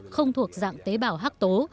không thuộc dạng tế bào hắc tố